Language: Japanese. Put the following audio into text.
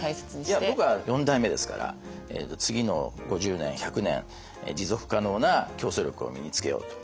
いや僕は４代目ですから次の５０年１００年持続可能な競争力を身につけようと。